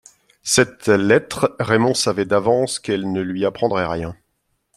Cette lettre, Raymond savait d'avance qu'elle ne lui apprendrait rien.